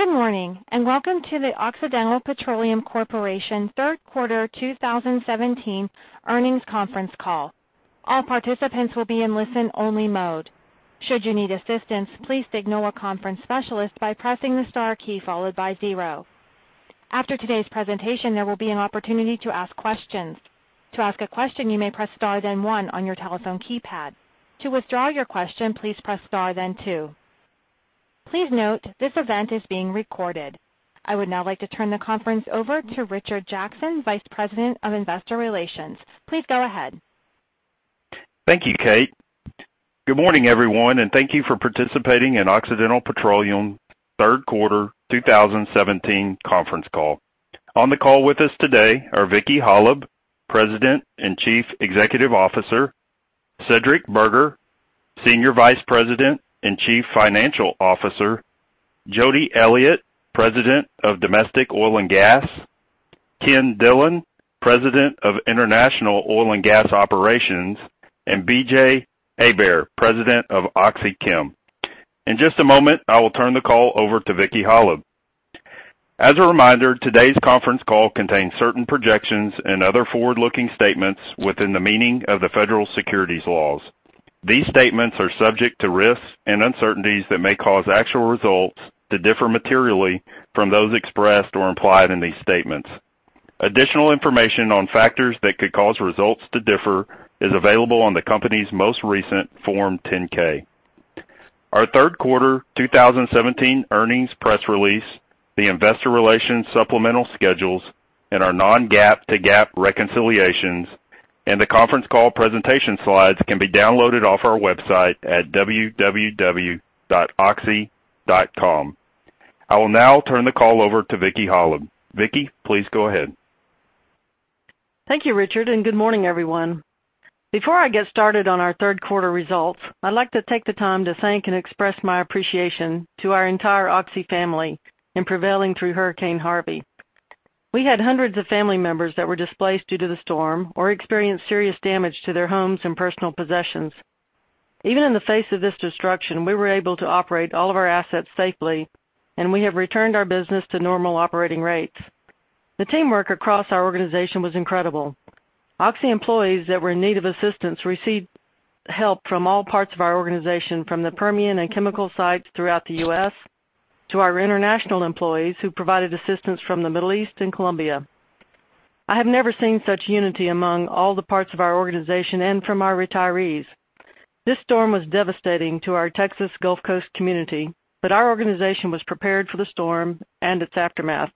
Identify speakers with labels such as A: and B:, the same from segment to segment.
A: Good morning, and welcome to the Occidental Petroleum Corporation third quarter 2017 earnings conference call. All participants will be in listen-only mode. Should you need assistance, please signal a conference specialist by pressing the star key followed by zero. After today's presentation, there will be an opportunity to ask questions. To ask a question, you may press Star, then one on your telephone keypad. To withdraw your question, please press Star, then two. Please note, this event is being recorded. I would now like to turn the conference over to Richard Jackson, Vice President of Investor Relations. Please go ahead.
B: Thank you, Kate. Good morning, everyone, and thank you for participating in Occidental Petroleum third quarter 2017 conference call. On the call with us today are Vicki Hollub, President and Chief Executive Officer, Cedric Burgher, Senior Vice President and Chief Financial Officer, Jody Elliott, President of Domestic Oil and Gas, Ken Dillon, President of International Oil and Gas Operations, and B.J. Hebert, President of OxyChem. In just a moment, I will turn the call over to Vicki Hollub. As a reminder, today's conference call contains certain projections and other forward-looking statements within the meaning of the federal securities laws. These statements are subject to risks and uncertainties that may cause actual results to differ materially from those expressed or implied in these statements. Additional information on factors that could cause results to differ is available on the company's most recent Form 10-K. Our third quarter 2017 earnings press release, the investor relations supplemental schedules, and our non-GAAP to GAAP reconciliations and the conference call presentation slides can be downloaded off our website at www.oxy.com. I will now turn the call over to Vicki Hollub. Vicki, please go ahead.
C: Thank you, Richard. Good morning, everyone. Before I get started on our third quarter results, I'd like to take the time to thank and express my appreciation to our entire Oxy family in prevailing through Hurricane Harvey. We had hundreds of family members that were displaced due to the storm or experienced serious damage to their homes and personal possessions. Even in the face of this destruction, we were able to operate all of our assets safely, and we have returned our business to normal operating rates. The teamwork across our organization was incredible. Oxy employees that were in need of assistance received help from all parts of our organization, from the Permian and chemical sites throughout the U.S. to our international employees who provided assistance from the Middle East and Colombia. I have never seen such unity among all the parts of our organization and from our retirees. This storm was devastating to our Texas Gulf Coast community, but our organization was prepared for the storm and its aftermath.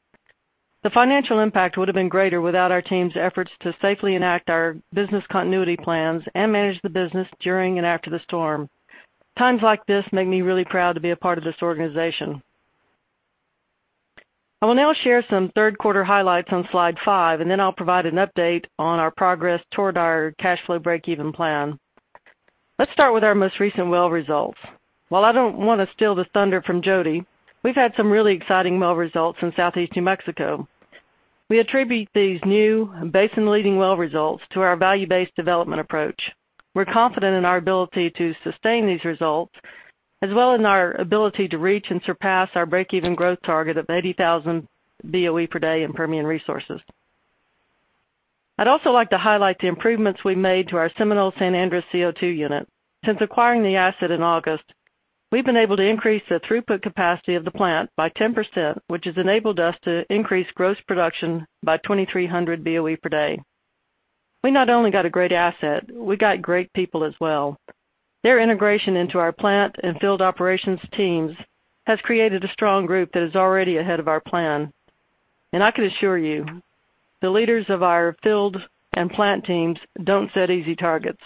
C: The financial impact would have been greater without our team's efforts to safely enact our business continuity plans and manage the business during and after the storm. Times like this make me really proud to be a part of this organization. I will now share some third quarter highlights on slide five, then I'll provide an update on our progress toward our cash flow breakeven plan. Let's start with our most recent well results. While I don't want to steal the thunder from Jody, we've had some really exciting well results in Southeast New Mexico. We attribute these new basin-leading well results to our value-based development approach. We're confident in our ability to sustain these results, as well as in our ability to reach and surpass our breakeven growth target of 80,000 BOE per day in Permian Resources. I'd also like to highlight the improvements we made to our Seminole-San Andres CO2 unit. Since acquiring the asset in August, we've been able to increase the throughput capacity of the plant by 10%, which has enabled us to increase gross production by 2,300 BOE per day. We not only got a great asset, we got great people as well. Their integration into our plant and field operations teams has created a strong group that is already ahead of our plan. I can assure you, the leaders of our field and plant teams don't set easy targets.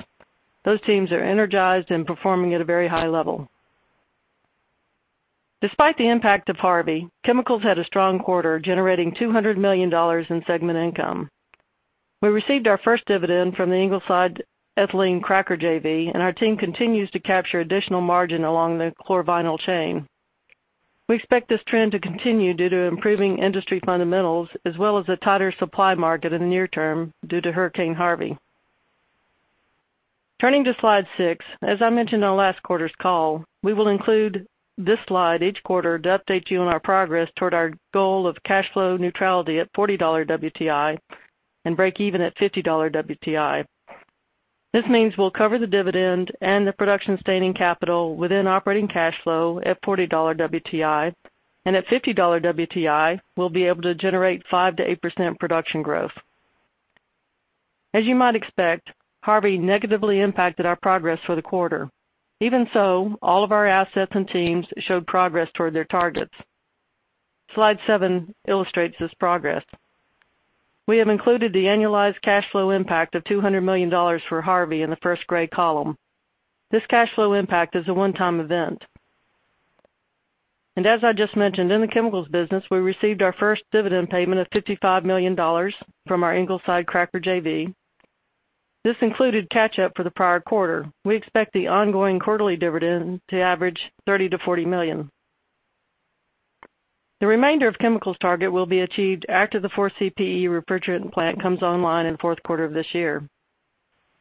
C: Those teams are energized and performing at a very high level. Despite the impact of Harvey, chemicals had a strong quarter, generating $200 million in segment income. We received our first dividend from the Ingleside ethylene cracker JV, our team continues to capture additional margin along the chlor-vinyl chain. We expect this trend to continue due to improving industry fundamentals as well as a tighter supply market in the near term due to Hurricane Harvey. Turning to slide six, as I mentioned on last quarter's call, we will include this slide each quarter to update you on our progress toward our goal of cash flow neutrality at $40 WTI and breakeven at $50 WTI. This means we'll cover the dividend and the production-sustaining capital within operating cash flow at $40 WTI, at $50 WTI, we'll be able to generate 5%-8% production growth. As you might expect, Harvey negatively impacted our progress for the quarter. Even so, all of our assets and teams showed progress toward their targets. Slide seven illustrates this progress. We have included the annualized cash flow impact of $200 million for Harvey in the first gray column. This cash flow impact is a one-time event. As I just mentioned, in the chemicals business, we received our first dividend payment of $55 million from our Ingleside cracker JV. This included catch-up for the prior quarter. We expect the ongoing quarterly dividend to average $30 million to $40 million. The remainder of chemicals target will be achieved after the 4CPE refrigerant plant comes online in fourth quarter of this year.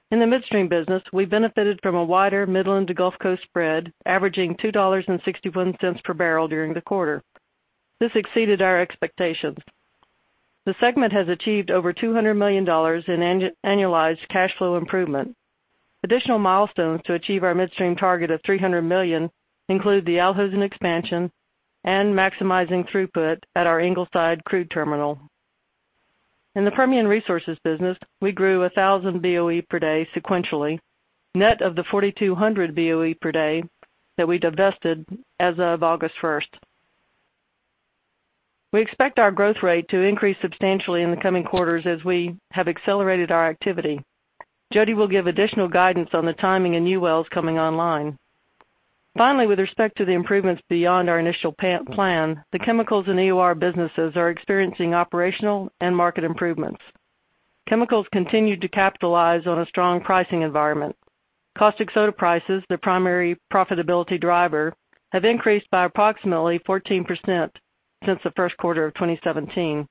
C: In the midstream business, we benefited from a wider Midland to Gulf Coast spread, averaging $2.61 per barrel during the quarter. This exceeded our expectations. The segment has achieved over $200 million in annualized cash flow improvement. Additional milestones to achieve our midstream target of $300 million include the Al Hosn Gas expansion and maximizing throughput at our Ingleside crude terminal. In the Permian Resources business, we grew 1,000 BOE per day sequentially, net of the 4,200 BOE per day that we divested as of August 1st. We expect our growth rate to increase substantially in the coming quarters as we have accelerated our activity. Jody will give additional guidance on the timing and new wells coming online. Finally, with respect to the improvements beyond our initial plan, the chemicals and EOR businesses are experiencing operational and market improvements. Chemicals continued to capitalize on a strong pricing environment. Caustic soda prices, their primary profitability driver, have increased by approximately 14% since the first quarter of 2017.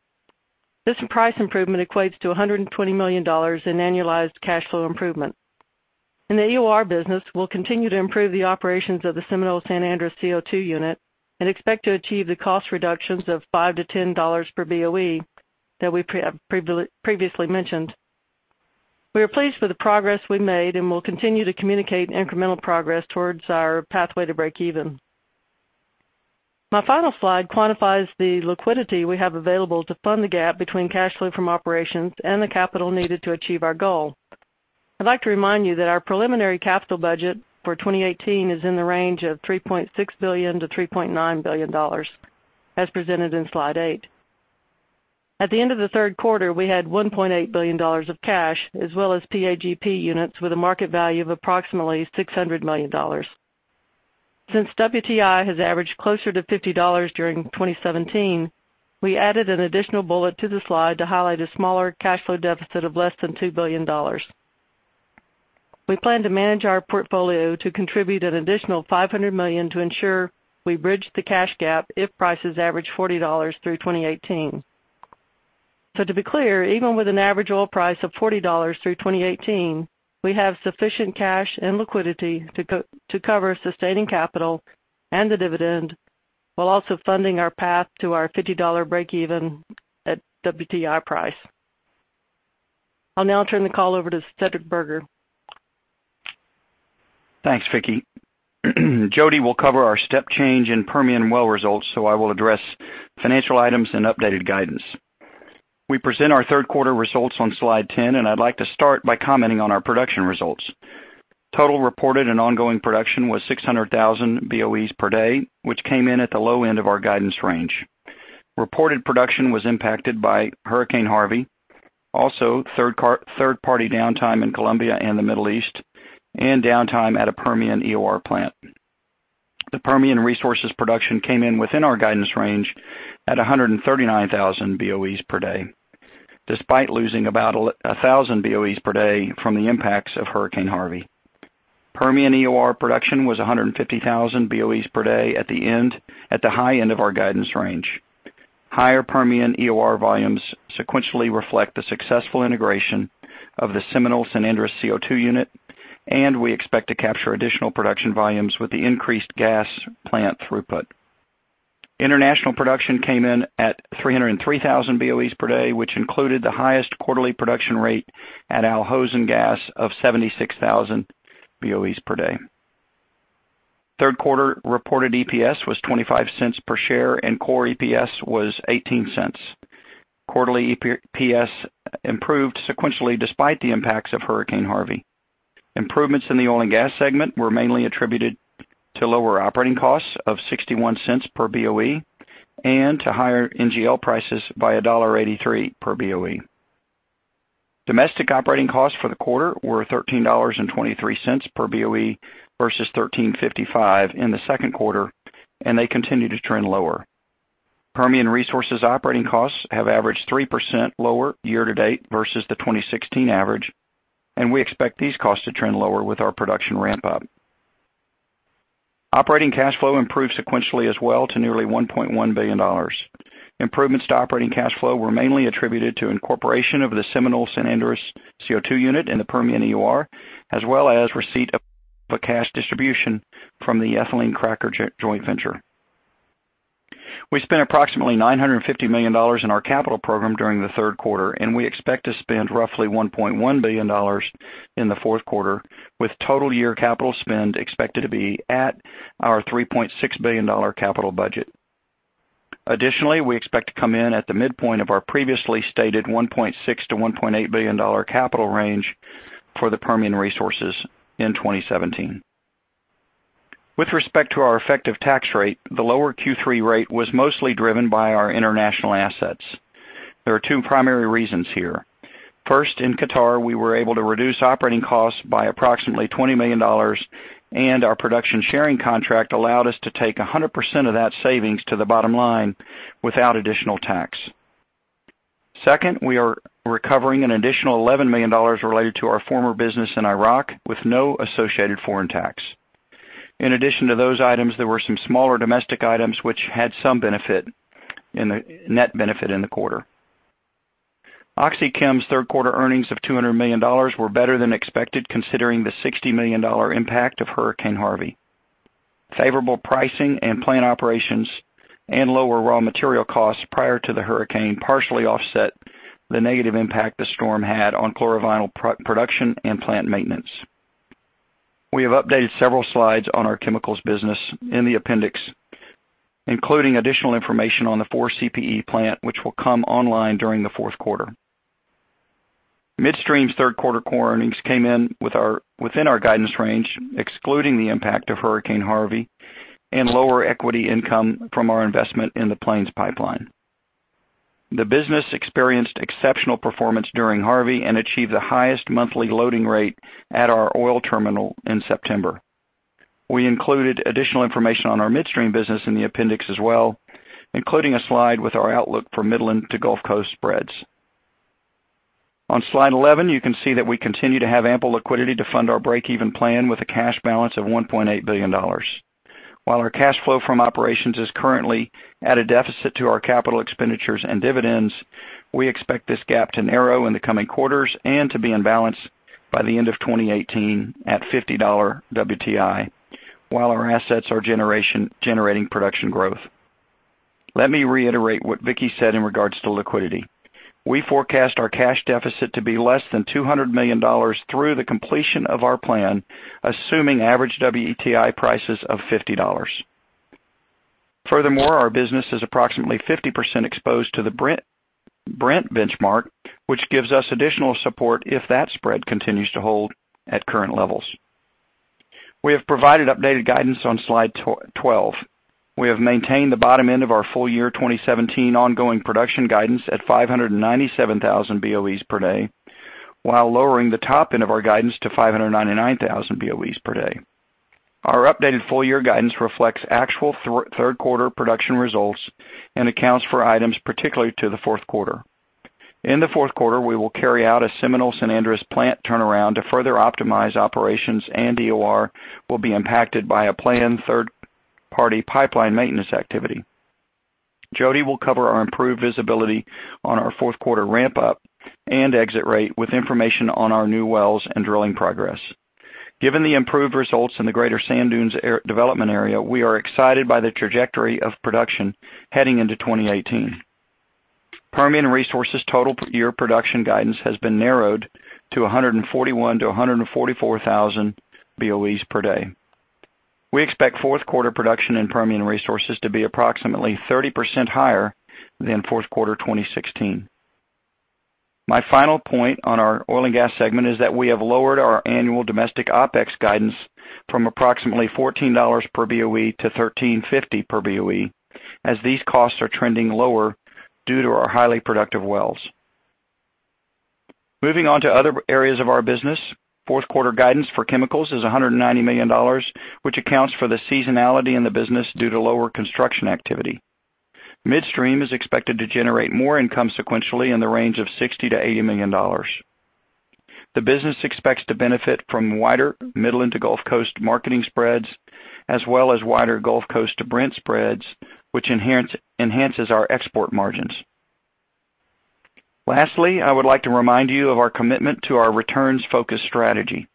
C: This price improvement equates to $120 million in annualized cash flow improvement. In the EOR business, we'll continue to improve the operations of the Seminole-San Andres CO2 unit and expect to achieve the cost reductions of $5-$10 per BOE that we previously mentioned. We are pleased with the progress we made, and we'll continue to communicate incremental progress towards our pathway to break even. My final slide quantifies the liquidity we have available to fund the gap between cash flow from operations and the capital needed to achieve our goal. I'd like to remind you that our preliminary capital budget for 2018 is in the range of $3.6 billion-$3.9 billion, as presented in slide eight. At the end of the third quarter, we had $1.8 billion of cash, as well as PAGP units with a market value of approximately $600 million. WTI has averaged closer to $50 during 2017, we added an additional bullet to the slide to highlight a smaller cash flow deficit of less than $2 billion. We plan to manage our portfolio to contribute an additional $500 million to ensure we bridge the cash gap if prices average $40 through 2018. To be clear, even with an average oil price of $40 through 2018, we have sufficient cash and liquidity to cover sustaining capital and the dividend, while also funding our path to our $50 break even at WTI price. I'll now turn the call over to Cedric Burgher.
D: Thanks, Vicki. Jody will cover our step change in Permian well results. I will address financial items and updated guidance. We present our third quarter results on slide 10, and I'd like to start by commenting on our production results. Total reported and ongoing production was 600,000 BOE per day, which came in at the low end of our guidance range. Reported production was impacted by Hurricane Harvey. Also, third-party downtime in Colombia and the Middle East, and downtime at a Permian EOR plant. The Permian Resources production came in within our guidance range at 139,000 BOE per day, despite losing about 1,000 BOE per day from the impacts of Hurricane Harvey. Permian EOR production was 150,000 BOE per day at the high end of our guidance range. Higher Permian EOR volumes sequentially reflect the successful integration of the Seminole-San Andres CO2 unit. We expect to capture additional production volumes with the increased gas plant throughput. International production came in at 303,000 BOE per day, which included the highest quarterly production rate at Al Hosn Gas of 76,000 BOE per day. Third quarter reported EPS was $0.25 per share and core EPS was $0.18. Quarterly EPS improved sequentially despite the impacts of Hurricane Harvey. Improvements in the oil and gas segment were mainly attributed to lower operating costs of $0.61 per BOE and to higher NGL prices by $1.83 per BOE. Domestic operating costs for the quarter were $13.23 per BOE versus $13.55 in the second quarter. They continue to trend lower. Permian Resources operating costs have averaged 3% lower year-to-date versus the 2016 average. We expect these costs to trend lower with our production ramp up. Operating cash flow improved sequentially as well to nearly $1.1 billion. Improvements to operating cash flow were mainly attributed to incorporation of the Seminole-San Andres CO2 unit in the Permian EOR, as well as receipt of a cash distribution from the ethylene cracker joint venture. We spent approximately $950 million in our capital program during the third quarter. We expect to spend roughly $1.1 billion in the fourth quarter, with total year capital spend expected to be at our $3.6 billion capital budget. Additionally, we expect to come in at the midpoint of our previously stated $1.6 billion-$1.8 billion capital range for the Permian Resources in 2017. With respect to our effective tax rate, the lower Q3 rate was mostly driven by our international assets. There are two primary reasons here. First, in Qatar, we were able to reduce operating costs by approximately $20 million. Our production sharing contract allowed us to take 100% of that savings to the bottom line without additional tax. Second, we are recovering an additional $11 million related to our former business in Iraq with no associated foreign tax. In addition to those items, there were some smaller domestic items which had some net benefit in the quarter. OxyChem's third quarter earnings of $200 million were better than expected, considering the $60 million impact of Hurricane Harvey. Favorable pricing and plant operations and lower raw material costs prior to the hurricane partially offset the negative impact the storm had on chlorovinyl production and plant maintenance. We have updated several slides on our chemicals business in the appendix, including additional information on the 4-CPe plant, which will come online during the fourth quarter. Midstream's third quarter core earnings came in within our guidance range, excluding the impact of Hurricane Harvey and lower equity income from our investment in the Plains Pipeline. The business experienced exceptional performance during Harvey and achieved the highest monthly loading rate at our oil terminal in September. We included additional information on our midstream business in the appendix as well, including a slide with our outlook for Midland to Gulf Coast spreads. On slide 11, you can see that we continue to have ample liquidity to fund our break-even plan with a cash balance of $1.8 billion. While our cash flow from operations is currently at a deficit to our capital expenditures and dividends, we expect this gap to narrow in the coming quarters and to be in balance by the end of 2018 at $50 WTI, while our assets are generating production growth. Let me reiterate what Vicki said in regards to liquidity. We forecast our cash deficit to be less than $200 million through the completion of our plan, assuming average WTI prices of $50. Furthermore, our business is approximately 50% exposed to the Brent benchmark, which gives us additional support if that spread continues to hold at current levels. We have provided updated guidance on slide 12. We have maintained the bottom end of our full year 2017 ongoing production guidance at 597,000 BOEs per day, while lowering the top end of our guidance to 599,000 BOEs per day. Our updated full-year guidance reflects actual third-quarter production results and accounts for items particular to the fourth quarter. In the fourth quarter, we will carry out a Seminole-San Andres plant turnaround to further optimize operations, and EOR will be impacted by a planned third-party pipeline maintenance activity. Jody will cover our improved visibility on our fourth quarter ramp-up and exit rate with information on our new wells and drilling progress. Given the improved results in the Greater Barilla Draw development area, we are excited by the trajectory of production heading into 2018. Permian Resources' total year production guidance has been narrowed to 141,000-144,000 BOEs per day. We expect fourth quarter production in Permian Resources to be approximately 30% higher than fourth quarter 2016. My final point on our oil and gas segment is that we have lowered our annual domestic OPEX guidance from approximately $14 per BOE to $13.50 per BOE, as these costs are trending lower due to our highly productive wells. Moving on to other areas of our business, fourth quarter guidance for chemicals is $190 million, which accounts for the seasonality in the business due to lower construction activity. Midstream is expected to generate more income sequentially in the range of $60 million-$80 million. The business expects to benefit from wider Midland to Gulf Coast marketing spreads, as well as wider Gulf Coast to Brent spreads, which enhances our export margins. Lastly, I would like to remind you of our commitment to our returns-focused strategy.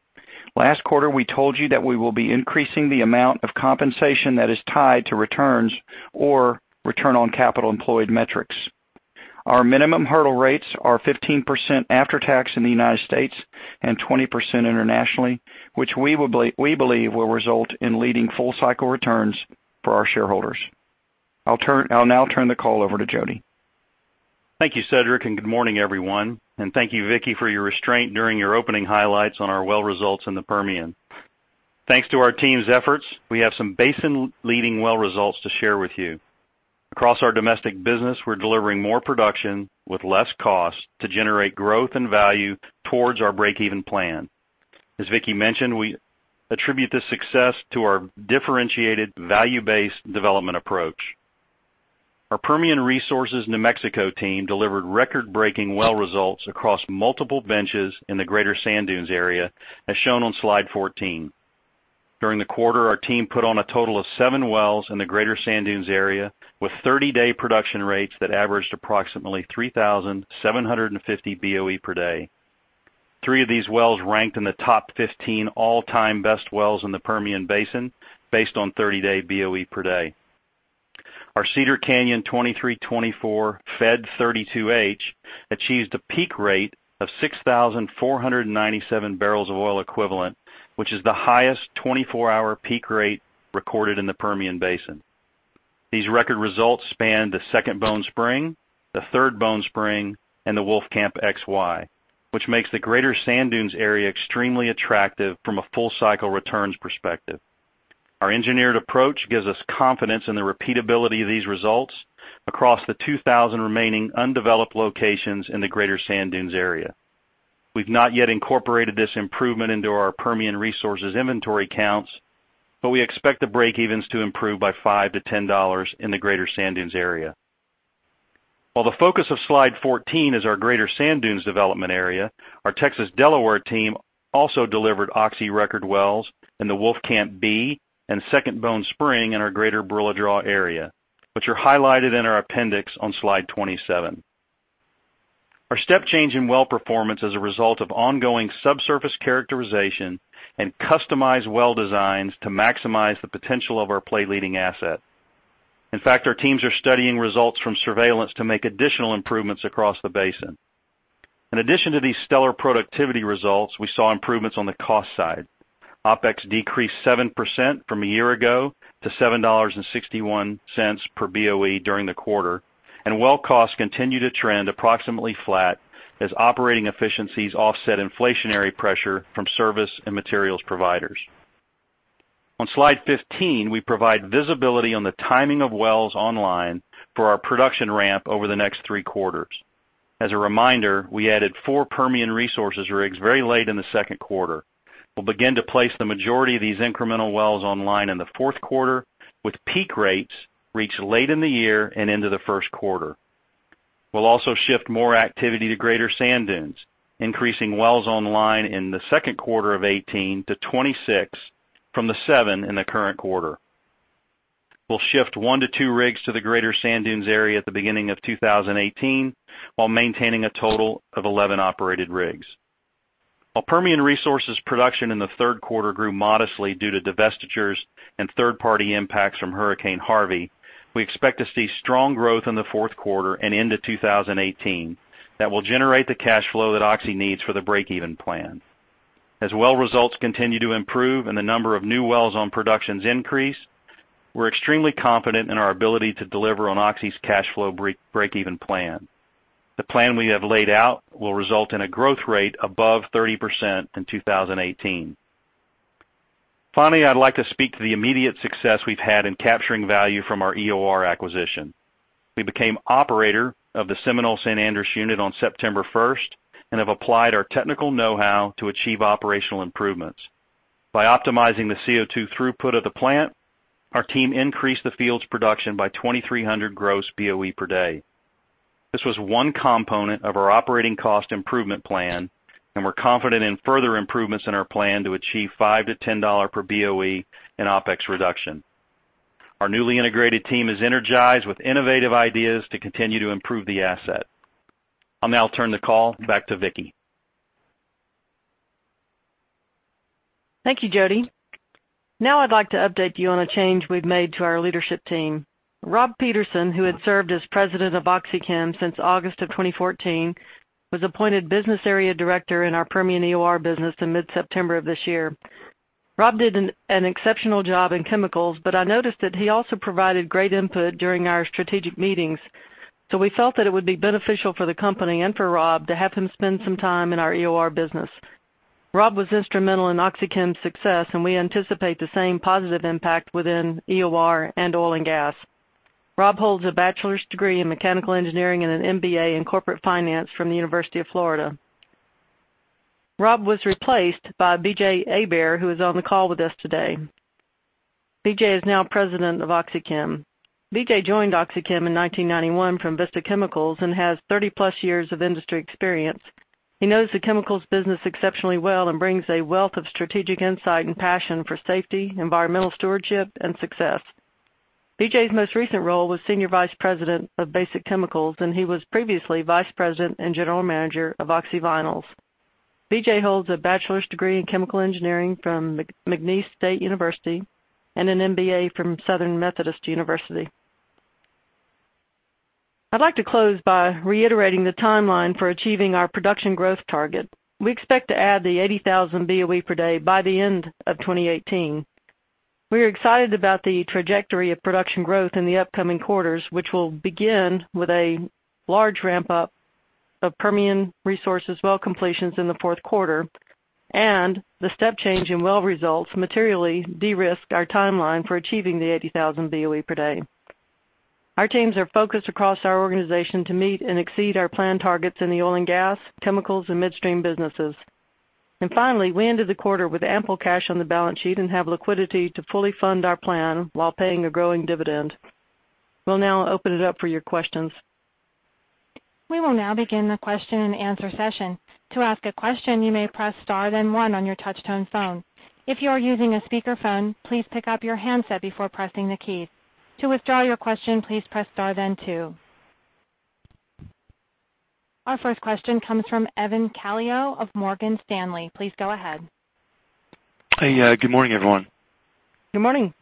D: Last quarter, we told you that we will be increasing the amount of compensation that is tied to returns or return on capital employed metrics. Our minimum hurdle rates are 15% after tax in the U.S. and 20% internationally, which we believe will result in leading full-cycle returns for our shareholders. I'll now turn the call over to Jody.
E: Thank you, Cedric, good morning, everyone. Thank you, Vicki, for your restraint during your opening highlights on our well results in the Permian. Thanks to our team's efforts, we have some basin-leading well results to share with you. Across our domestic business, we're delivering more production with less cost to generate growth and value towards our break-even plan. As Vicki mentioned, we attribute this success to our differentiated value-based development approach. Our Permian Resources New Mexico team delivered record-breaking well results across multiple benches in the Greater Sand Dunes area, as shown on slide 14. During the quarter, our team put on a total of seven wells in the Greater Sand Dunes area with 30-day production rates that averaged approximately 3,750 BOE per day. Three of these wells ranked in the top 15 all-time best wells in the Permian Basin based on 30-day BOE per day. Our Cedar Canyon 2324 Fed 32H achieved a peak rate of 6,497 barrels of oil equivalent, which is the highest 24-hour peak rate recorded in the Permian Basin. These record results span the Second Bone Spring, the Third Bone Spring, and the Wolfcamp XY, which makes the Greater Sand Dunes area extremely attractive from a full-cycle returns perspective. Our engineered approach gives us confidence in the repeatability of these results across the 2,000 remaining undeveloped locations in the Greater Sand Dunes area. We've not yet incorporated this improvement into our Permian Resources inventory counts, but we expect the break-evens to improve by $5 to $10 in the Greater Sand Dunes area. While the focus of slide 14 is our Greater Sand Dunes development area, our Texas-Delaware team also delivered Oxy record wells in the Wolfcamp B and Second Bone Spring in our Greater Barilla Draw area, which are highlighted in our appendix on slide 27. Our step change in well performance is a result of ongoing subsurface characterization and customized well designs to maximize the potential of our play-leading asset. In fact, our teams are studying results from surveillance to make additional improvements across the basin. In addition to these stellar productivity results, we saw improvements on the cost side. OpEx decreased 7% from a year ago to $7.61 per BOE during the quarter, and well costs continue to trend approximately flat as operating efficiencies offset inflationary pressure from service and materials providers. On slide 15, we provide visibility on the timing of wells online for our production ramp over the next three quarters. As a reminder, we added four Permian Resources rigs very late in the second quarter. We'll begin to place the majority of these incremental wells online in the fourth quarter, with peak rates reached late in the year and into the first quarter. We'll also shift more activity to Greater Sand Dunes, increasing wells online in the second quarter of 2018 to 26 from the seven in the current quarter. We'll shift one to two rigs to the Greater Sand Dunes area at the beginning of 2018 while maintaining a total of 11 operated rigs. While Permian Resources production in the third quarter grew modestly due to divestitures and third-party impacts from Hurricane Harvey, we expect to see strong growth in the fourth quarter and into 2018 that will generate the cash flow that Oxy needs for the break-even plan. As well results continue to improve and the number of new wells on productions increase, we're extremely confident in our ability to deliver on Oxy's cash flow break-even plan. The plan we have laid out will result in a growth rate above 30% in 2018. Finally, I'd like to speak to the immediate success we've had in capturing value from our EOR acquisition. We became operator of the Seminole-San Andres unit on September 1st and have applied our technical know-how to achieve operational improvements. By optimizing the CO2 throughput of the plant, our team increased the field's production by 2,300 gross BOE per day. This was one component of our operating cost improvement plan, we're confident in further improvements in our plan to achieve $5-$10 per BOE in OpEx reduction. Our newly integrated team is energized with innovative ideas to continue to improve the asset. I'll now turn the call back to Vicki.
C: Thank you, Jody. Now I'd like to update you on a change we've made to our leadership team. Rob Peterson, who had served as President of OxyChem since August of 2014, was appointed business area director in our Permian EOR business in mid-September of this year. Rob did an exceptional job in chemicals, I noticed that he also provided great input during our strategic meetings, we felt that it would be beneficial for the company and for Rob to have him spend some time in our EOR business. Rob was instrumental in OxyChem's success, we anticipate the same positive impact within EOR and oil and gas. Rob holds a bachelor's degree in mechanical engineering and an MBA in corporate finance from the University of Florida. Rob was replaced by BJ Hebert, who is on the call with us today. BJ is now President of OxyChem. BJ joined OxyChem in 1991 from Vista Chemicals and has 30-plus years of industry experience. He knows the chemicals business exceptionally well and brings a wealth of strategic insight and passion for safety, environmental stewardship, and success. BJ's most recent role was Senior Vice President of basic chemicals, he was previously Vice President and General Manager of OxyVinyls. BJ holds a bachelor's degree in chemical engineering from McNeese State University and an MBA from Southern Methodist University. I'd like to close by reiterating the timeline for achieving our production growth target. We expect to add the 80,000 BOE per day by the end of 2018. We are excited about the trajectory of production growth in the upcoming quarters, which will begin with a large ramp-up of Permian Resources well completions in the fourth quarter, and the step change in well results materially de-risk our timeline for achieving the 80,000 BOE per day. Our teams are focused across our organization to meet and exceed our planned targets in the oil and gas, chemicals, and midstream businesses. Finally, we ended the quarter with ample cash on the balance sheet and have liquidity to fully fund our plan while paying a growing dividend. We'll now open it up for your questions.
A: We will now begin the question and answer session. To ask a question, you may press star then one on your touch-tone phone. If you are using a speakerphone, please pick up your handset before pressing the keys. To withdraw your question, please press star then two. Our first question comes from Evan Calio of Morgan Stanley. Please go ahead.
F: Hey, good morning, everyone.
C: Good morning.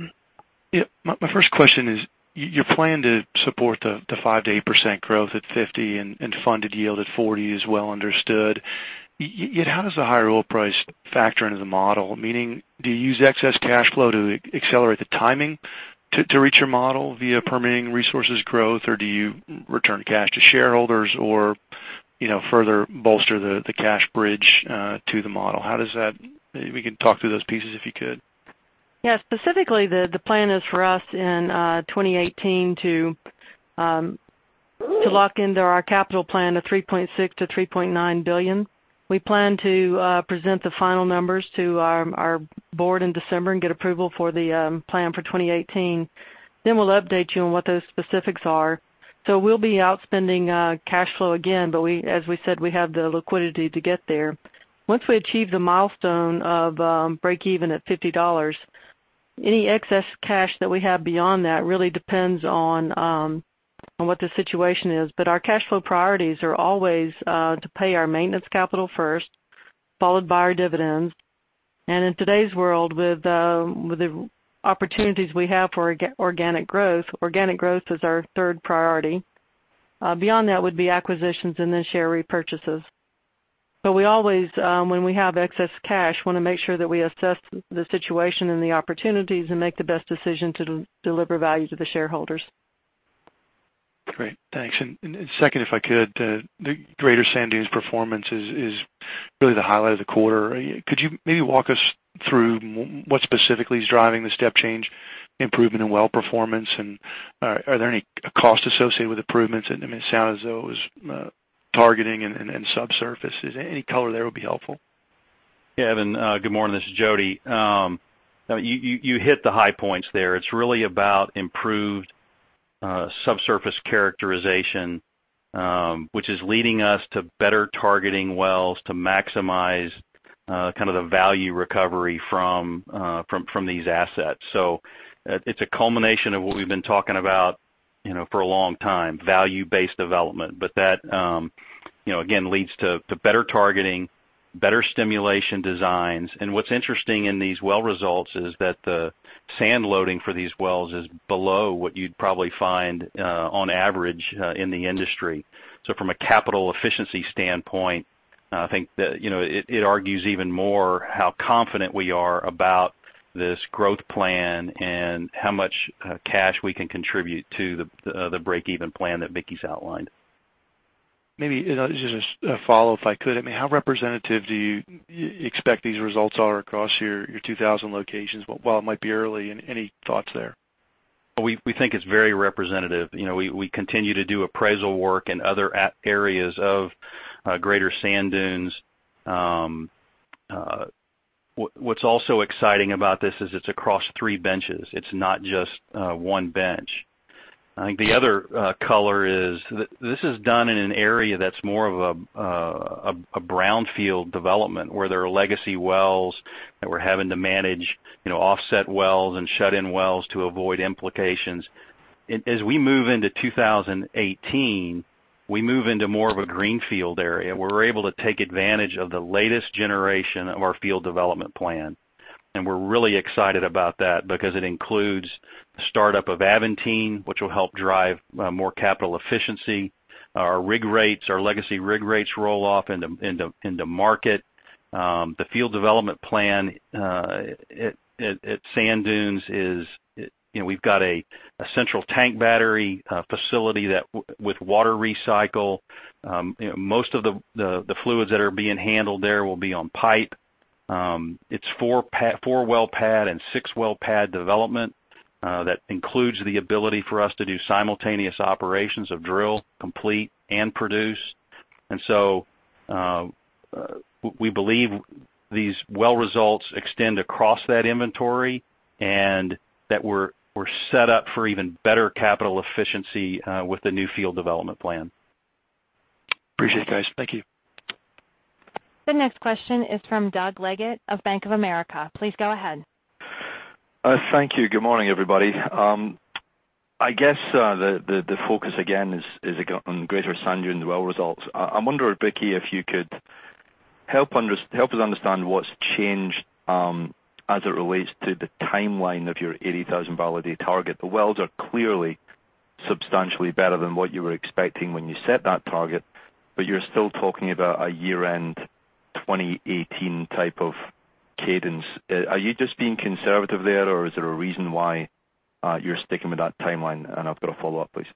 F: My first question is, your plan to support the 5%-8% growth at $50 and funded yield at $40 is well understood. How does the higher oil price factor into the model? Meaning, do you use excess cash flow to accelerate the timing to reach your model via Permian Resources growth, or do you return cash to shareholders or further bolster the cash bridge to the model? If we can talk through those pieces, if you could.
C: Yeah. Specifically, the plan is for us in 2018 to lock into our capital plan of $3.6 billion-$3.9 billion. We plan to present the final numbers to our Board in December and get approval for the plan for 2018. We'll update you on what those specifics are. We'll be outspending cash flow again, as we said, we have the liquidity to get there. Once we achieve the milestone of breakeven at $50, any excess cash that we have beyond that really depends on what the situation is. Our cash flow priorities are always to pay our maintenance capital first, followed by our dividends. In today's world, with the opportunities we have for organic growth, organic growth is our third priority. Beyond that would be acquisitions. Share repurchases. We always, when we have excess cash, want to make sure that we assess the situation and the opportunities and make the best decision to deliver value to the shareholders.
F: Great. Thanks. Second, if I could, the Greater Sand Dunes performance is really the highlight of the quarter. Could you maybe walk us through what specifically is driving the step change improvement in well performance? Are there any costs associated with improvements? It sound as though it was targeting and subsurface. Any color there would be helpful.
E: Evan, good morning. This is Jody. You hit the high points there. It's really about improved subsurface characterization, which is leading us to better targeting wells to maximize the value recovery from these assets. It's a culmination of what we've been talking about for a long time, value-based development. That again, leads to better targeting, better stimulation designs. What's interesting in these well results is that the sand loading for these wells is below what you'd probably find, on average, in the industry. From a capital efficiency standpoint, I think that it argues even more how confident we are about this growth plan and how much cash we can contribute to the breakeven plan that Vicki's outlined.
F: Maybe just a follow, if I could. How representative do you expect these results are across your 2,000 locations? While it might be early, any thoughts there?
E: We think it's very representative. We continue to do appraisal work in other areas of Greater Sand Dunes. What's also exciting about this is it's across three benches. It's not just one bench. I think the other color is this is done in an area that's more of a brownfield development, where there are legacy wells that we're having to manage, offset wells and shut-in wells to avoid implications. As we move into 2018, we move into more of a greenfield area. We're able to take advantage of the latest generation of our field development plan. We're really excited about that because it includes startup of Aventine, which will help drive more capital efficiency. Our rig rates, our legacy rig rates roll off into market. The field development plan at Sand Dunes is we've got a central tank battery facility with water recycle. Most of the fluids that are being handled there will be on pipe. It's four-well pad and six-well pad development. That includes the ability for us to do simultaneous operations of drill, complete, and produce. We believe these well results extend across that inventory, and that we're set up for even better capital efficiency with the new field development plan.
F: Appreciate it, guys. Thank you.
A: The next question is from Douglas Leggate of Bank of America. Please go ahead.
G: Thank you. Good morning, everybody. I guess the focus again is on Greater Sand Dunes, the well results. I wonder, Vicki, if you could help us understand what's changed as it relates to the timeline of your 80,000 barrel a day target. The wells are clearly substantially better than what you were expecting when you set that target, you're still talking about a year-end 2018 type of cadence. Are you just being conservative there, or is there a reason why you're sticking with that timeline? I've got a follow-up, please.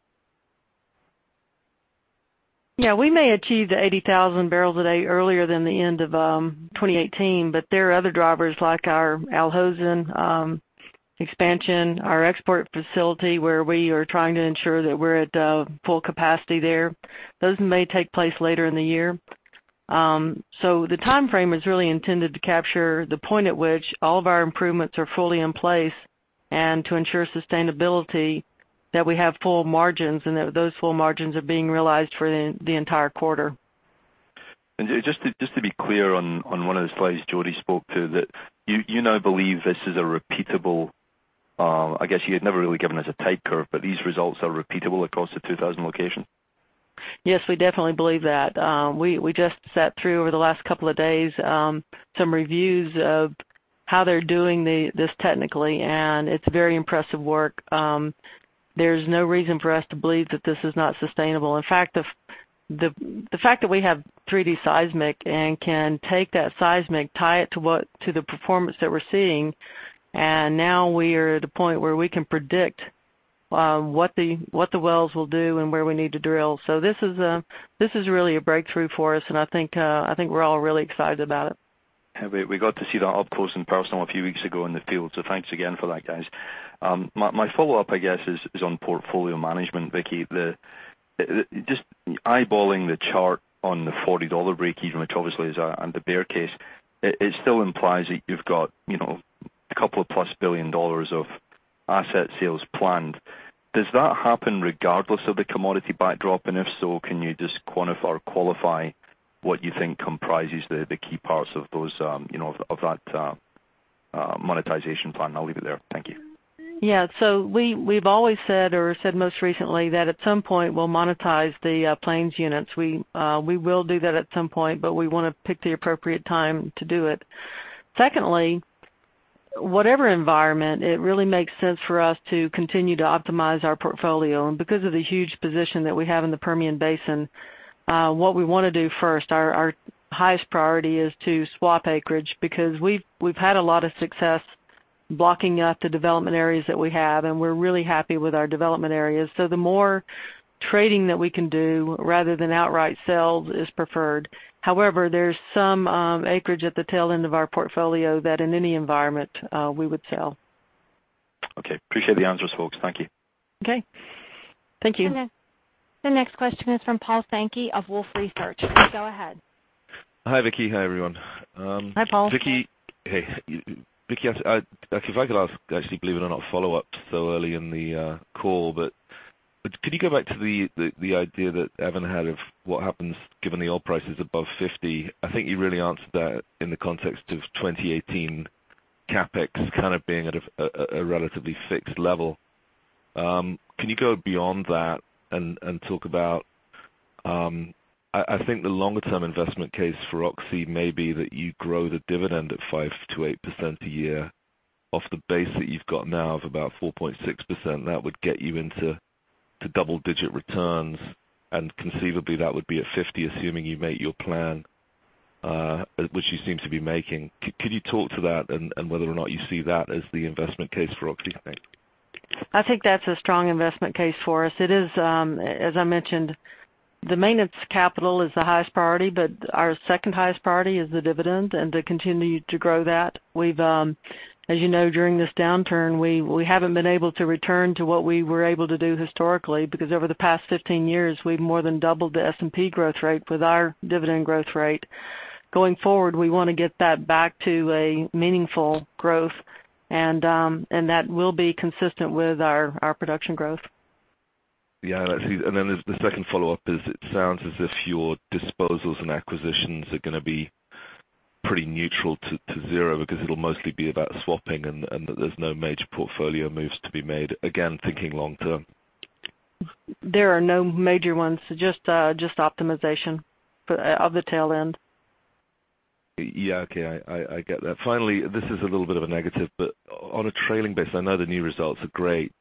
C: Yeah, we may achieve the 80,000 barrels a day earlier than the end of 2018, there are other drivers like our Al Hosn expansion, our export facility, where we are trying to ensure that we're at full capacity there. Those may take place later in the year. The timeframe is really intended to capture the point at which all of our improvements are fully in place, and to ensure sustainability that we have full margins, and that those full margins are being realized for the entire quarter.
G: Just to be clear on one of the slides Jody spoke to, that you now believe this is a repeatable, I guess you had never really given us a tape curve, but these results are repeatable across the 2,000 locations?
C: Yes, we definitely believe that. We just sat through, over the last couple of days, some reviews of how they're doing this technically, and it's very impressive work. There's no reason for us to believe that this is not sustainable. In fact, the fact that we have 3D seismic and can take that seismic, tie it to the performance that we're seeing, and now we're at a point where we can predict what the wells will do and where we need to drill. This is really a breakthrough for us, and I think we're all really excited about it.
G: We got to see that up close and personal a few weeks ago in the field, thanks again for that, guys. My follow-up, I guess, is on portfolio management, Vicki. Just eyeballing the chart on the $40 breakeven, which obviously is on the bear case, it still implies that you've got a couple of plus billion dollars of asset sales planned. Does that happen regardless of the commodity backdrop? If so, can you just quantify or qualify what you think comprises the key parts of that monetization plan? I'll leave it there. Thank you.
C: Yeah. We've always said, or said most recently, that at some point we'll monetize the Plains units. We will do that at some point, but we want to pick the appropriate time to do it. Secondly, whatever environment, it really makes sense for us to continue to optimize our portfolio. Because of the huge position that we have in the Permian Basin, what we want to do first, our highest priority, is to swap acreage, because we've had a lot of success blocking up the development areas that we have, and we're really happy with our development areas. The more trading that we can do, rather than outright sales, is preferred. However, there's some acreage at the tail end of our portfolio that in any environment, we would sell.
G: Okay. Appreciate the answers, folks. Thank you.
C: Okay. Thank you.
A: The next question is from Paul Sankey of Wolfe Research. Go ahead.
H: Hi, Vicki. Hi, everyone.
C: Hi, Paul.
H: Vicki. Hey. Vicki, if I could ask, actually, believe it or not, a follow-up so early in the call, could you go back to the idea that Evan had of what happens given the oil price is above $50? I think you really answered that in the context of 2018 CapEx kind of being at a relatively fixed level. Can you go beyond that and talk about, I think the longer term investment case for Oxy may be that you grow the dividend at 5%-8% a year off the base that you've got now of about 4.6%. That would get you into double-digit returns. Conceivably that would be a $50, assuming you make your plan, which you seem to be making. Could you talk to that, and whether or not you see that as the investment case for Oxy?
C: I think that's a strong investment case for us. It is, as I mentioned, the maintenance capital is the highest priority. Our second highest priority is the dividend and to continue to grow that. As you know, during this downturn, we haven't been able to return to what we were able to do historically, because over the past 15 years, we've more than doubled the S&P growth rate with our dividend growth rate. Going forward, we want to get that back to a meaningful growth. That will be consistent with our production growth.
H: Yeah. Then the second follow-up is, it sounds as if your disposals and acquisitions are going to be pretty neutral to zero because it'll mostly be about swapping. That there's no major portfolio moves to be made, again, thinking long term.
C: There are no major ones, just optimization of the tail end.
H: Yeah. Okay, I get that. Finally, this is a little bit of a negative, on a trailing basis, I know the new results are great,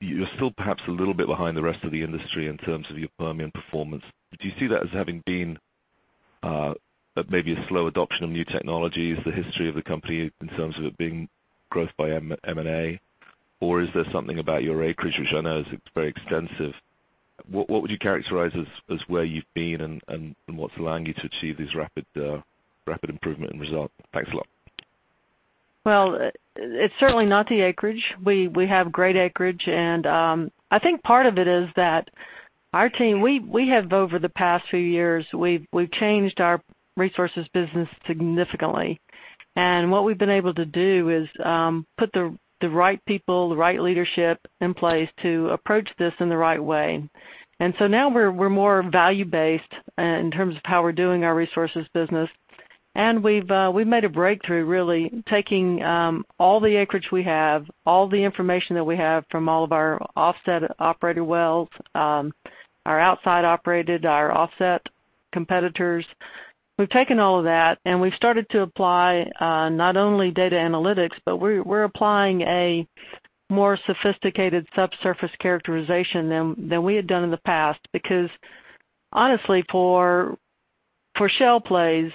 H: you're still perhaps a little bit behind the rest of the industry in terms of your Permian performance. Do you see that as having been maybe a slow adoption of new technologies, the history of the company in terms of it being growth by M&A? Is there something about your acreage, which I know is very extensive. What would you characterize as where you've been and what's allowing you to achieve these rapid improvement in results? Thanks a lot.
C: Well, it's certainly not the acreage. We have great acreage, I think part of it is that our team, we have over the past few years, we've changed our resources business significantly. What we've been able to do is put the right people, the right leadership in place to approach this in the right way. Now we're more value-based in terms of how we're doing our resources business. We've made a breakthrough, really, taking all the acreage we have, all the information that we have from all of our offset operated wells, our outside operated, our offset competitors. We've taken all of that, we've started to apply not only data analytics, we're applying a more sophisticated subsurface characterization than we had done in the past. Because honestly, for shale plays,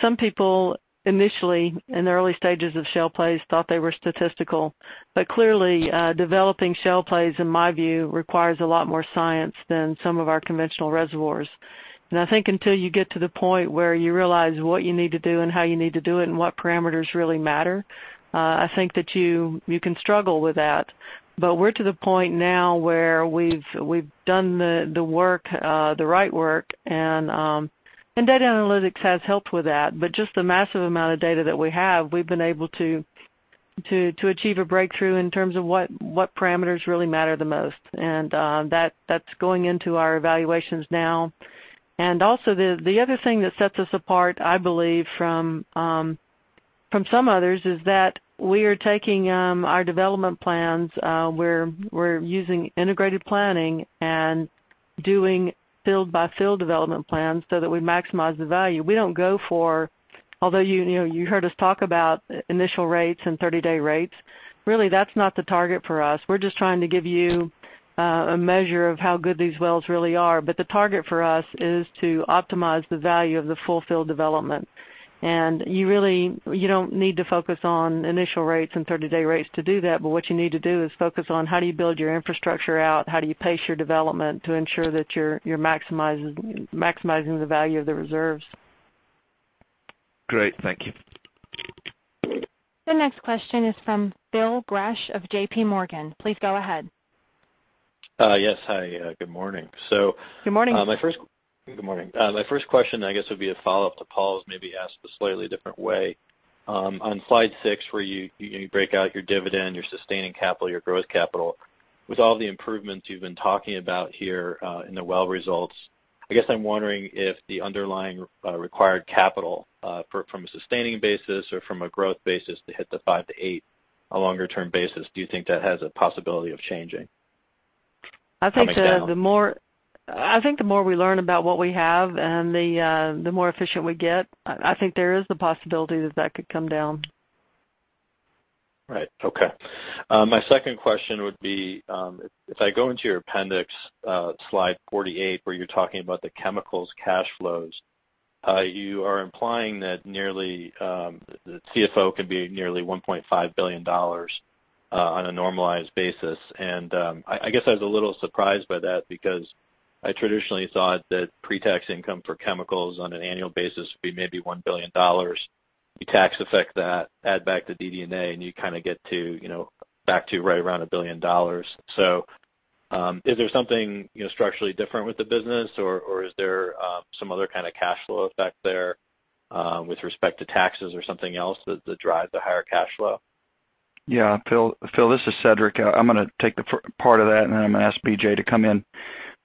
C: some people initially, in the early stages of shale plays, thought they were statistical. Clearly, developing shale plays, in my view, requires a lot more science than some of our conventional reservoirs. I think until you get to the point where you realize what you need to do and how you need to do it and what parameters really matter, I think that you can struggle with that. We're to the point now where we've done the work, the right work, data analytics has helped with that. Just the massive amount of data that we have, we've been able to achieve a breakthrough in terms of what parameters really matter the most. That's going into our evaluations now. Also, the other thing that sets us apart, I believe, from some others is that we are taking our development plans, we're using integrated planning and doing field-by-field development plans so that we maximize the value. We don't go for, although you heard us talk about initial rates and 30-day rates, really that's not the target for us. We're just trying to give you a measure of how good these wells really are. The target for us is to optimize the value of the full field development. You don't need to focus on initial rates and 30-day rates to do that, but what you need to do is focus on how do you build your infrastructure out, how do you pace your development to ensure that you're maximizing the value of the reserves.
H: Great. Thank you.
A: The next question is from Phil Gresh of JPMorgan. Please go ahead.
I: Yes. Hi, good morning.
D: Good morning.
I: Good morning. My first question, I guess, would be a follow-up to Paul's, maybe asked a slightly different way. On slide six, where you break out your dividend, your sustaining capital, your growth capital. With all the improvements you've been talking about here in the well results, I guess I'm wondering if the underlying required capital from a sustaining basis or from a growth basis to hit the 5%-8%, a longer-term basis, do you think that has a possibility of changing coming down?
D: I think the more we learn about what we have and the more efficient we get, I think there is the possibility that that could come down.
I: Right. Okay. My second question would be, if I go into your appendix, slide 48, where you're talking about the chemicals cash flows. I guess I was a little surprised by that because I traditionally thought that pre-tax income for chemicals on an annual basis would be maybe $1 billion. You tax affect that, add back the DD&A, and you kind of get back to right around $1 billion. Is there something structurally different with the business, or is there some other kind of cash flow effect there with respect to taxes or something else that drives a higher cash flow?
D: Phil, this is Cedric. I'm going to take part of that, and then I'm going to ask BJ to come in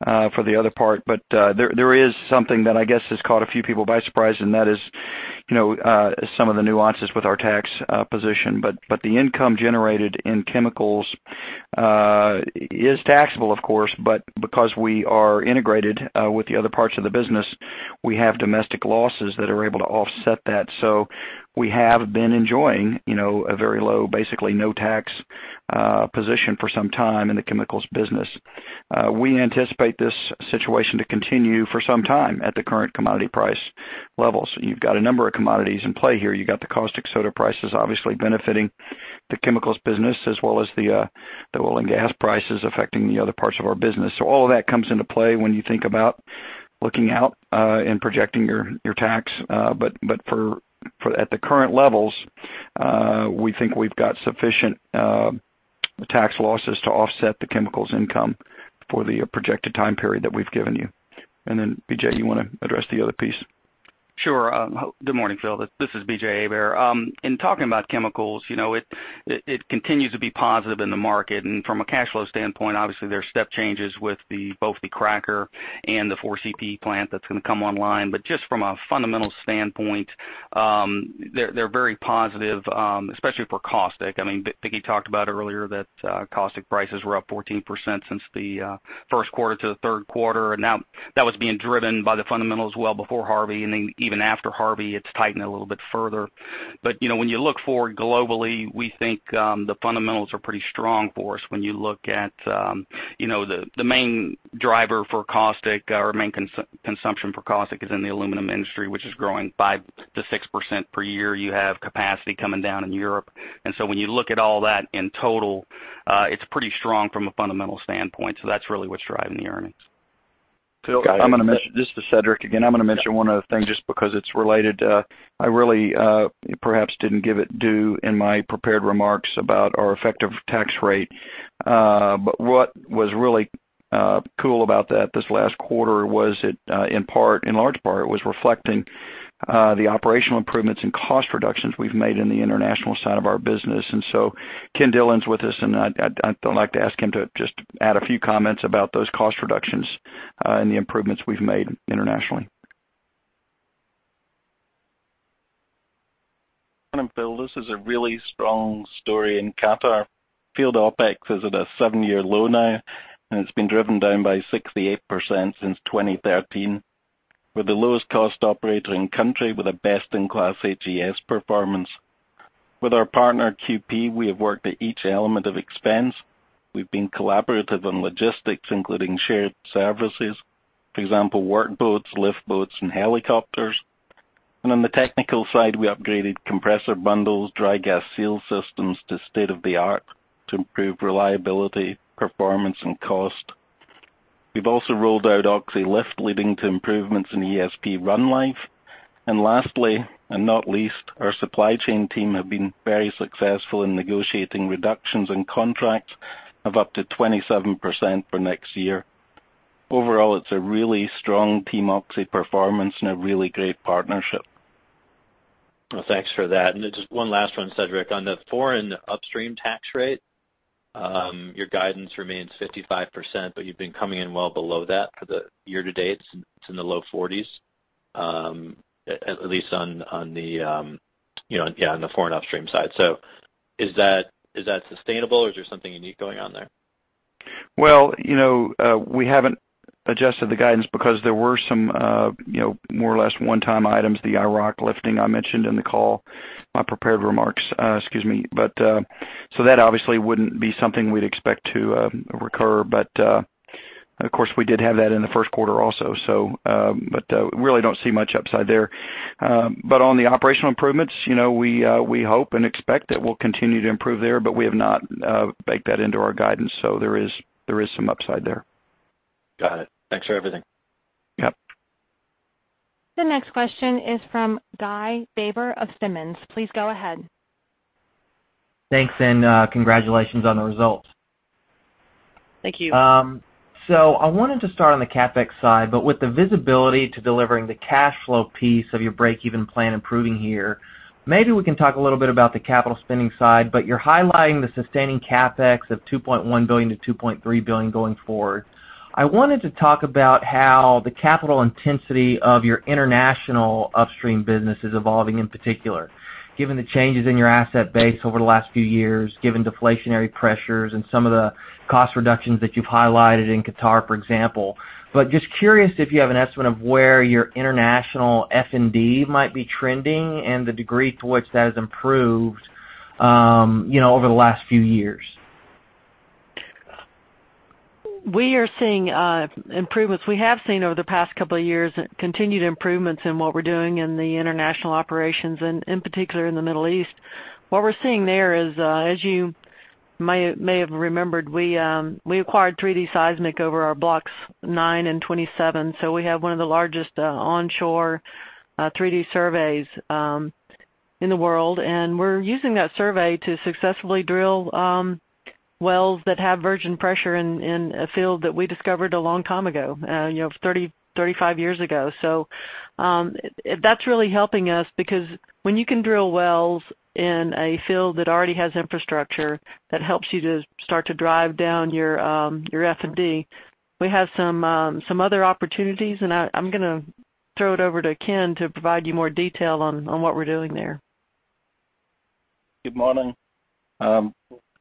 D: for the other part. There is something that I guess has caught a few people by surprise, and that is some of the nuances with our tax position. The income generated in chemicals is taxable, of course, but because we are integrated with the other parts of the business, we have domestic losses that are able to offset that. We have been enjoying a very low, basically no tax position for some time in the chemicals business. We anticipate this situation to continue for some time at the current commodity price levels. You've got a number of commodities in play here. You got the caustic soda prices obviously benefiting the chemicals business, as well as the oil and gas prices affecting the other parts of our business. All of that comes into play when you think about looking out and projecting your tax. At the current levels, we think we've got sufficient tax losses to offset the chemicals income for the projected time period that we've given you. BJ, you want to address the other piece?
J: Sure. Good morning, Phil. This is B.J. Hebert. In talking about chemicals, it continues to be positive in the market. From a cash flow standpoint, obviously, there are step changes with both the cracker and the 4CPE plant that's going to come online. Just from a fundamental standpoint, they're very positive, especially for caustic. I mean, Vicki talked about it earlier, that caustic prices were up 14% since the first quarter to the third quarter. Now that was being driven by the fundamentals well before Harvey, and then even after Harvey, it's tightened a little bit further. When you look forward globally, we think the fundamentals are pretty strong for us. When you look at the main driver for caustic, our main consumption for caustic is in the aluminum industry, which is growing 5%-6% per year. You have capacity coming down in Europe. When you look at all that in total, it's pretty strong from a fundamental standpoint. That's really what's driving the earnings.
D: Phil, this is Cedric again. I'm going to mention one other thing just because it's related. I really perhaps didn't give it due in my prepared remarks about our effective tax rate. What was really cool about that this last quarter was it, in large part, was reflecting the operational improvements and cost reductions we've made in the international side of our business. Kenneth Dillon's with us, and I'd like to ask him to just add a few comments about those cost reductions and the improvements we've made internationally.
K: Phil, this is a really strong story in Qatar. Field OPEX is at a seven-year low now, and it's been driven down by 68% since 2013. We're the lowest cost operator in country with a best-in-class HES performance. With our partner QP, we have worked at each element of expense. We've been collaborative on logistics, including shared services. For example, work boats, lift boats, and helicopters. On the technical side, we upgraded compressor bundles, dry gas seal systems to state-of-the-art to improve reliability, performance, and cost. We've also rolled out OxyLIFT, leading to improvements in ESP run life. Lastly, and not least, our supply chain team have been very successful in negotiating reductions in contracts of up to 27% for next year. Overall, it's a really strong Team Oxy performance and a really great partnership.
I: Thanks for that. Just one last one, Cedric. On the foreign upstream tax rate, your guidance remains 55%, you've been coming in well below that for the year to date. It's in the low 40s, at least on the foreign upstream side. Is that sustainable, or is there something unique going on there?
D: We haven't adjusted the guidance because there were some more or less one-time items, the Iraq lifting I mentioned in the call, my prepared remarks. Excuse me. That obviously wouldn't be something we'd expect to recur. Of course, we did have that in the first quarter also. Really don't see much upside there. On the operational improvements, we hope and expect that we'll continue to improve there, but we have not baked that into our guidance. There is some upside there.
I: Got it. Thanks for everything.
D: Yep.
A: The next question is from Guy Baber of Simmons. Please go ahead.
L: Thanks. Congratulations on the results.
C: Thank you.
L: I wanted to start on the CapEx side, with the visibility to delivering the cash flow piece of your breakeven plan improving here, maybe we can talk a little bit about the capital spending side, you're highlighting the sustaining CapEx of $2.1 billion-$2.3 billion going forward. I wanted to talk about how the capital intensity of your international upstream business is evolving, in particular, given the changes in your asset base over the last few years, given deflationary pressures and some of the cost reductions that you've highlighted in Qatar, for example. Just curious if you have an estimate of where your international F&D might be trending and the degree to which that has improved over the last few years.
C: We are seeing improvements. We have seen over the past couple of years, continued improvements in what we're doing in the international operations and in particular in the Middle East. As you may have remembered, we acquired 3D seismic over our Blocks 9 and 27. We have one of the largest onshore 3D surveys in the world, and we're using that survey to successfully drill wells that have virgin pressure in a field that we discovered a long time ago, 35 years ago. That's really helping us because when you can drill wells in a field that already has infrastructure, that helps you to start to drive down your F&D. We have some other opportunities, I'm going to throw it over to Ken to provide you more detail on what we're doing there.
K: Good morning.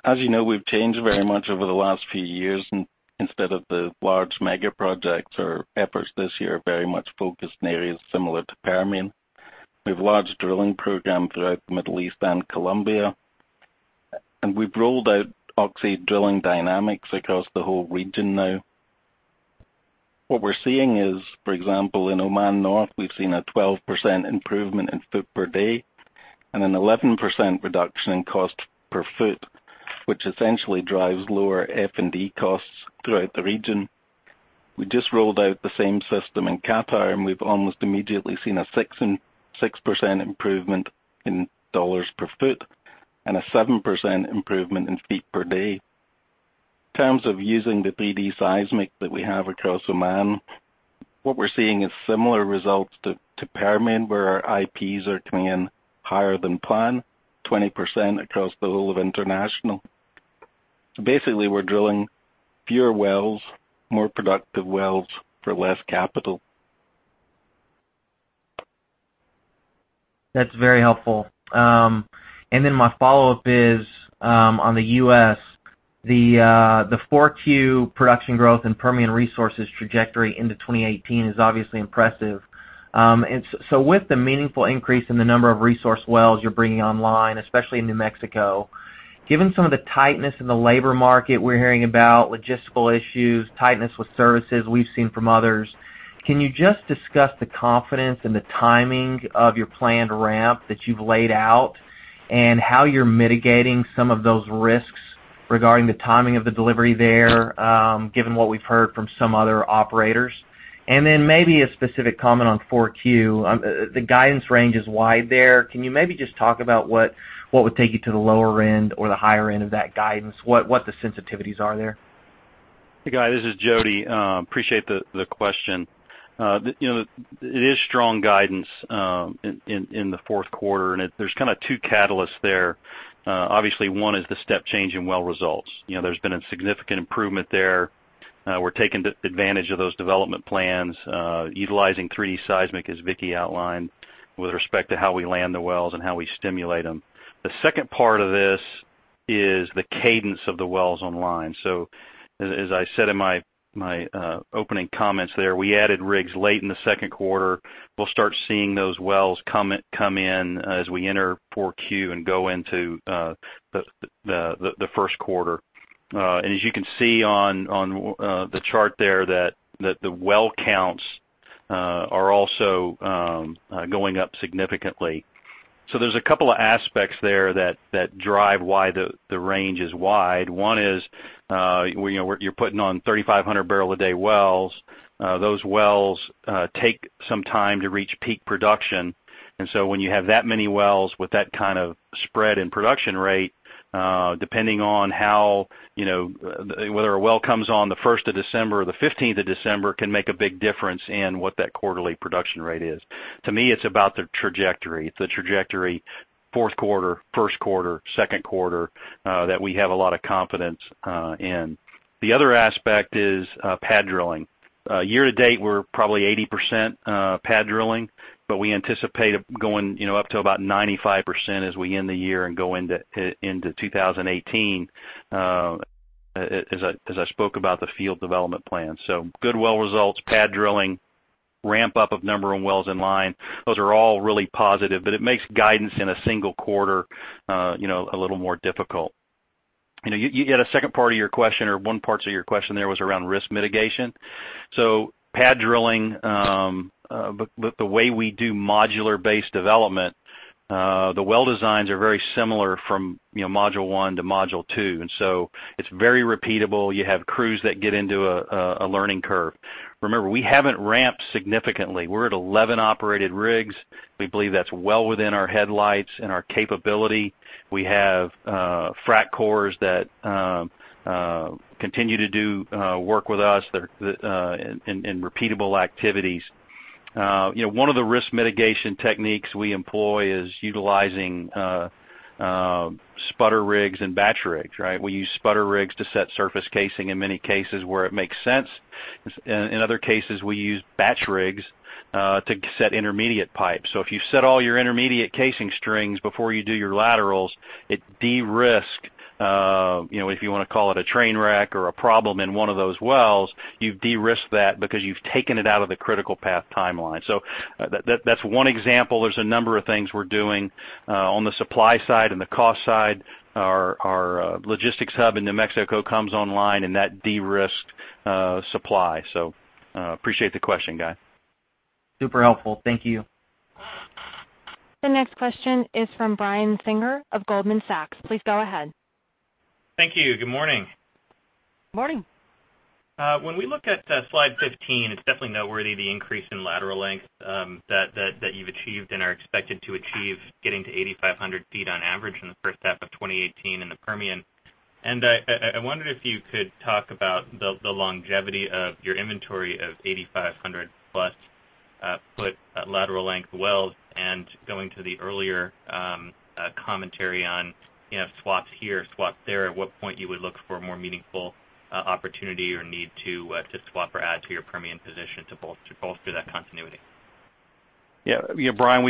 K: As you know, we've changed very much over the last few years. Instead of the large mega projects, our efforts this year are very much focused in areas similar to Permian. We have a large drilling program throughout the Middle East and Colombia. We've rolled out Oxy Drilling Dynamics across the whole region now. For example, in Oman North, we've seen a 12% improvement in foot per day and an 11% reduction in cost per foot, which essentially drives lower F&D costs throughout the region. We just rolled out the same system in Qatar, and we've almost immediately seen a 6% improvement in dollars per foot and a 7% improvement in feet per day. In terms of using the 3D seismic that we have across Oman, similar results to Permian, where our IPs are coming in higher than planned, 20% across the whole of international. We're drilling fewer wells, more productive wells for less capital.
L: That's very helpful. My follow-up is on the U.S. The 4Q production growth and Permian Resources trajectory into 2018 is obviously impressive. With the meaningful increase in the number of resource wells you're bringing online, especially in New Mexico, given some of the tightness in the labor market we're hearing about logistical issues, tightness with services we've seen from others, can you just discuss the confidence and the timing of your planned ramp that you've laid out? How you're mitigating some of those risks regarding the timing of the delivery there, given what we've heard from some other operators? Maybe a specific comment on 4Q. The guidance range is wide there. Can you maybe just talk about what would take you to the lower end or the higher end of that guidance? What the sensitivities are there?
E: Hey, Guy, this is Jody. Appreciate the question. It is strong guidance in the fourth quarter, there's two catalysts there. Obviously, one is the step change in well results. There's been a significant improvement there. We're taking advantage of those development plans, utilizing 3D seismic, as Vicki outlined, with respect to how we land the wells and how we stimulate them. The second part of this is the cadence of the wells online. As I said in my opening comments there, we added rigs late in the second quarter. We'll start seeing those wells come in as we enter 4Q and go into the first quarter. As you can see on the chart there that the well counts are also going up significantly. There's a couple of aspects there that drive why the range is wide. One is you're putting on 3,500-barrel-a-day wells. Those wells take some time to reach peak production. When you have that many wells with that kind of spread in production rate, depending on whether a well comes on the 1st of December or the 15th of December, can make a big difference in what that quarterly production rate is. To me, it's about the trajectory. It's the trajectory, fourth quarter, first quarter, second quarter, that we have a lot of confidence in. The other aspect is pad drilling. Year to date, we're probably 80% pad drilling, but we anticipate going up to about 95% as we end the year and go into 2018, as I spoke about the field development plan. Good well results, pad drilling, ramp up of number of wells in line. Those are all really positive, but it makes guidance in a single quarter a little more difficult. You had a second part to your question, or one part to your question there was around risk mitigation. Pad drilling, the way we do modular-based development. The well designs are very similar from module 1 to module 2, so it's very repeatable. You have crews that get into a learning curve. Remember, we haven't ramped significantly. We're at 11 operated rigs. We believe that's well within our headlights and our capability. We have frac crews that continue to do work with us in repeatable activities. One of the risk mitigation techniques we employ is utilizing spudder rigs and batch rigs, right? We use spudder rigs to set surface casing in many cases where it makes sense. In other cases, we use batch rigs to set intermediate pipes. If you set all your intermediate casing strings before you do your laterals, it de-risks, if you want to call it a train wreck or a problem in one of those wells, you've de-risked that because you've taken it out of the critical path timeline. That's one example. There's a number of things we're doing on the supply side and the cost side. Our logistics hub in New Mexico comes online, that de-risked supply. Appreciate the question, Guy.
L: Super helpful. Thank you.
A: The next question is from Brian Singer of Goldman Sachs. Please go ahead.
M: Thank you. Good morning.
E: Morning.
M: When we look at slide 15, it's definitely noteworthy the increase in lateral length that you've achieved and are expected to achieve, getting to 8,500 feet on average in the first half of 2018 in the Permian. I wondered if you could talk about the longevity of your inventory of 8,500-plus-foot lateral length wells, and going to the earlier commentary on swaps here, swap there, at what point you would look for a more meaningful opportunity or need to swap or add to your Permian position to bolster that continuity.
E: Yeah. Brian,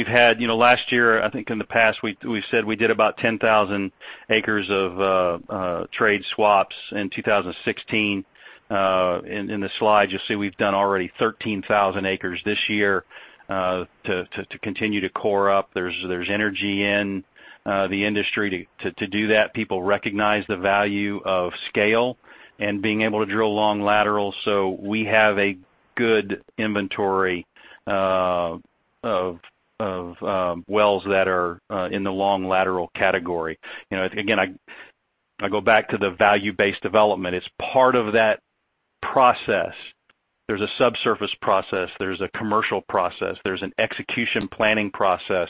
E: last year, I think in the past, we said we did about 10,000 acres of trade swaps in 2016. In the slide, you'll see we've done already 13,000 acres this year to continue to core up. There's energy in the industry to do that. People recognize the value of scale and being able to drill long laterals. We have a good inventory of wells that are in the long lateral category. Again, I go back to the value-based development. It's part of that process. There's a subsurface process, there's a commercial process, there's an execution planning process,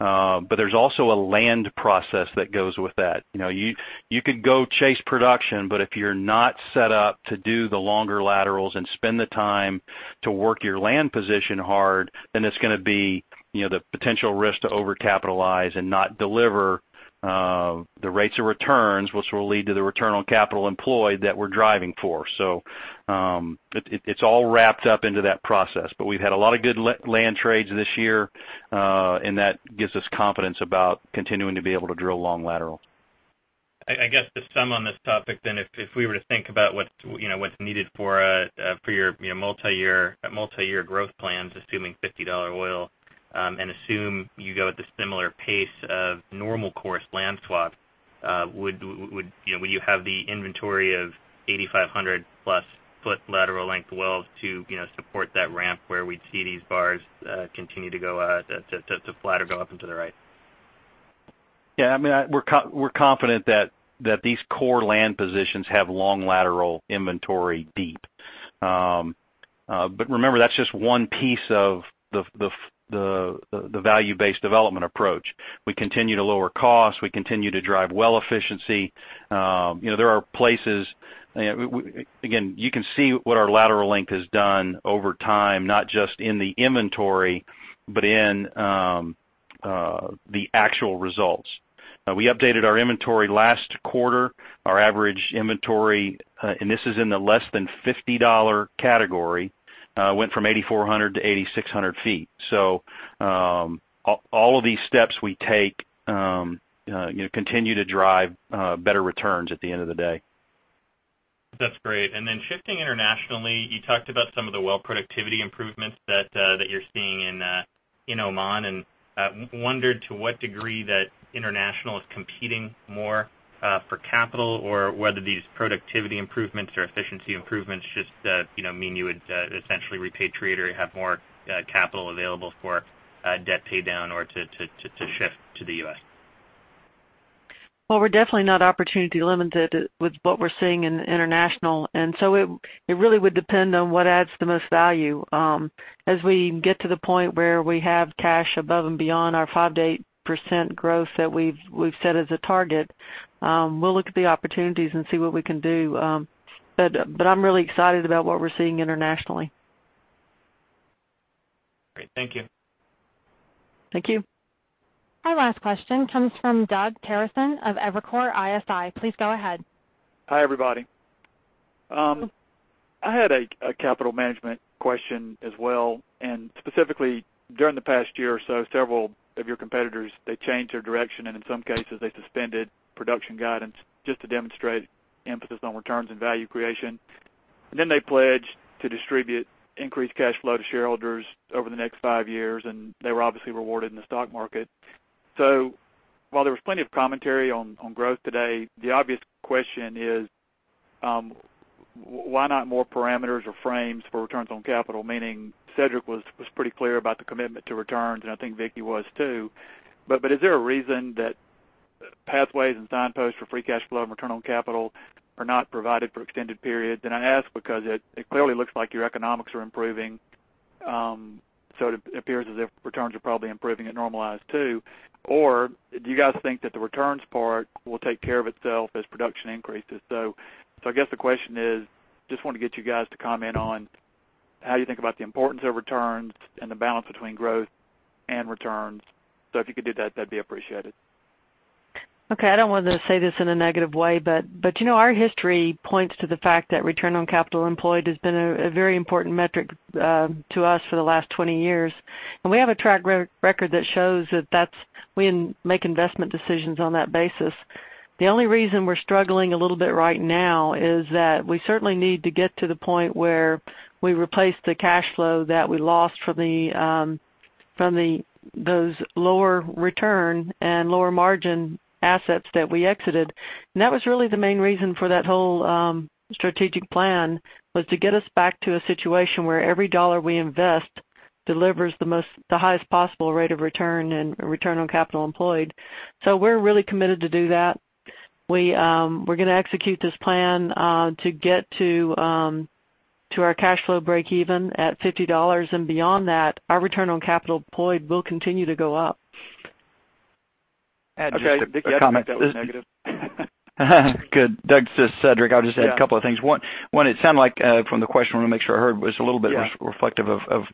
E: there's also a land process that goes with that. You could go chase production, if you're not set up to do the longer laterals and spend the time to work your land position hard, then it's going to be the potential risk to over-capitalize and not deliver the rates of returns, which will lead to the return on capital employed that we're driving for. It's all wrapped up into that process. We've had a lot of good land trades this year, and that gives us confidence about continuing to be able to drill long lateral.
M: I guess to sum on this topic, if we were to think about what's needed for your multi-year growth plans, assuming $50 oil, and assume you go at the similar pace of normal course land swap, would you have the inventory of 8,500-plus-foot lateral length wells to support that ramp where we'd see these bars continue to flatter go up into the right?
E: Yeah, we're confident that these core land positions have long lateral inventory deep. Remember, that's just one piece of the value-based development approach. We continue to lower costs. We continue to drive well efficiency. There are places, again, you can see what our lateral length has done over time, not just in the inventory, but in the actual results. We updated our inventory last quarter. Our average inventory, and this is in the less than $50 category, went from 8,400 to 8,600 feet. All of these steps we take continue to drive better returns at the end of the day.
M: That's great. Shifting internationally, you talked about some of the well productivity improvements that you're seeing in Oman, and wondered to what degree that international is competing more for capital, or whether these productivity improvements or efficiency improvements just mean you would essentially repatriate or have more capital available for debt paydown or to shift to the U.S.
E: Well, we're definitely not opportunity limited with what we're seeing in international. It really would depend on what adds the most value. As we get to the point where we have cash above and beyond our 5%-8% growth that we've set as a target, we'll look at the opportunities and see what we can do. I'm really excited about what we're seeing internationally.
M: Great. Thank you.
E: Thank you.
A: Our last question comes from Doug Terreson of Evercore ISI. Please go ahead.
N: Hi, everybody. I had a capital management question as well. Specifically, during the past year or so, several of your competitors, they changed their direction. In some cases, they suspended production guidance just to demonstrate emphasis on returns and value creation. They pledged to distribute increased cash flow to shareholders over the next five years, and they were obviously rewarded in the stock market. While there was plenty of commentary on growth today, the obvious question is, Why not more parameters or frames for returns on capital? Meaning, Cedric was pretty clear about the commitment to returns, and I think Vicki was too. Is there a reason that pathways and signposts for free cash flow and return on capital are not provided for extended periods? I ask because it clearly looks like your economics are improving. It appears as if returns are probably improving at normalized too. Do you guys think that the returns part will take care of itself as production increases? I guess the question is, just want to get you guys to comment on how you think about the importance of returns and the balance between growth and returns. If you could do that'd be appreciated.
C: Okay. I don't want to say this in a negative way, but our history points to the fact that return on capital employed has been a very important metric to us for the last 20 years. We have a track record that shows that we make investment decisions on that basis. The only reason we're struggling a little bit right now is that we certainly need to get to the point where we replace the cash flow that we lost from those lower return and lower margin assets that we exited. That was really the main reason for that whole strategic plan, was to get us back to a situation where every dollar we invest delivers the highest possible rate of return and return on capital employed. We're really committed to do that. We're going to execute this plan to get to our cash flow breakeven at $50. Beyond that, our return on capital employed will continue to go up.
N: Okay. Vicki, I didn't mean that was negative.
D: Good. Doug, this is Cedric. I'll just add a couple of things. One, it sounded like from the question, I want to make sure I heard, was a little bit reflective of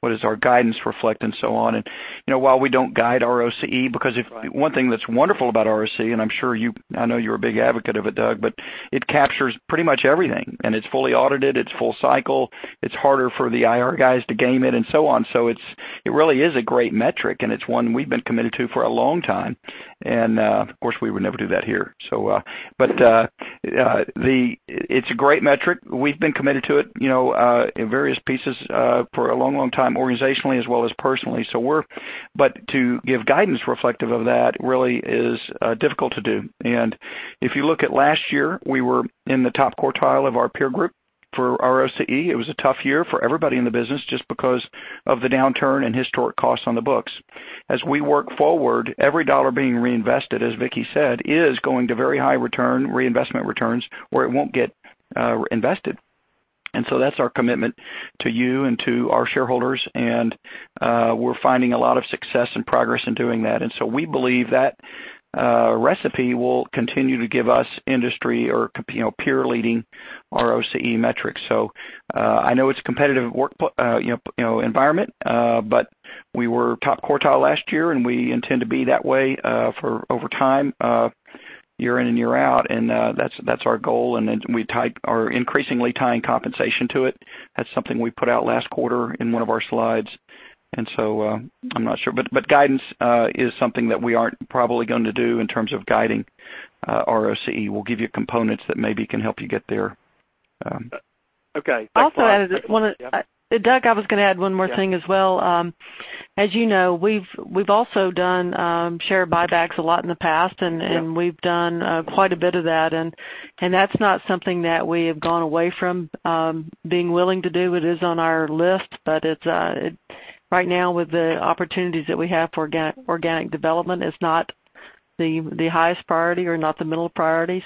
D: what is our guidance reflect and so on. While we don't guide ROCE, because one thing that's wonderful about ROCE, and I'm sure you, I know you're a big advocate of it, Doug, but it captures pretty much everything, and it's fully audited, it's full cycle. It's harder for the IR guys to game it and so on. It really is a great metric, and it's one we've been committed to for a long time. Of course, we would never do that here. It's a great metric. We've been committed to it in various pieces for a long time, organizationally as well as personally. To give guidance reflective of that really is difficult to do. If you look at last year, we were in the top quartile of our peer group for ROCE. It was a tough year for everybody in the business just because of the downturn and historic costs on the books. As we work forward, every dollar being reinvested, as Vicki said, is going to very high return, reinvestment returns, where it won't get invested. That's our commitment to you and to our shareholders, and we're finding a lot of success and progress in doing that. We believe that recipe will continue to give us industry or peer-leading ROCE metrics. I know it's a competitive environment, but we were top quartile last year, and we intend to be that way over time, year in and year out. That's our goal, and we are increasingly tying compensation to it. That's something we put out last quarter in one of our slides. I'm not sure. Guidance is something that we aren't probably going to do in terms of guiding ROCE. We'll give you components that maybe can help you get there.
N: Okay.
C: Also, Doug, I was going to add one more thing as well. As you know, we've also done share buybacks a lot in the past, and we've done quite a bit of that, and that's not something that we have gone away from being willing to do. It is on our list, but right now, with the opportunities that we have for organic development, it's not the highest priority or not the middle priority.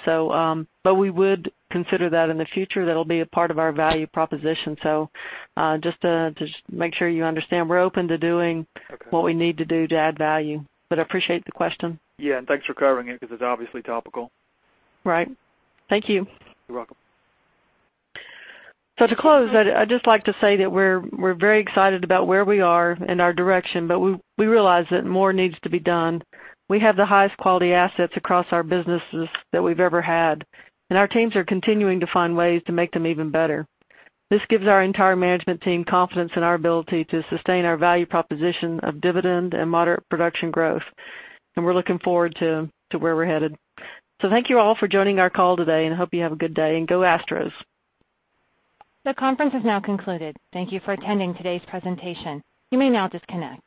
C: We would consider that in the future. That'll be a part of our value proposition. Just to make sure you understand, we're open to doing what we need to do to add value. I appreciate the question.
N: Thanks for covering it because it's obviously topical.
C: Right. Thank you.
N: You're welcome.
C: To close, I'd just like to say that we're very excited about where we are and our direction, but we realize that more needs to be done. We have the highest quality assets across our businesses that we've ever had, and our teams are continuing to find ways to make them even better. This gives our entire management team confidence in our ability to sustain our value proposition of dividend and moderate production growth. We're looking forward to where we're headed. Thank you all for joining our call today, and hope you have a good day, and go Astros.
A: The conference has now concluded. Thank you for attending today's presentation. You may now disconnect.